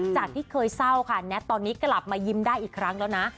จากที่เคยเศร้าค่ะแน็ตตอนนี้กลับมายิ้มได้อีกครั้งแล้วนะ